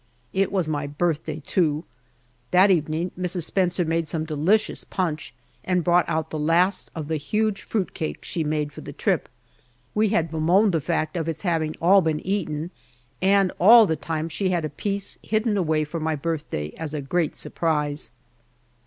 It was my birthday too. That evening Mrs. Spencer made some delicious punch and brought out the last of the huge fruit cake she made for the trip. We had bemoaned the fact of its having all been eaten, and all the time she had a piece hidden away for my birthday, as a great surprise.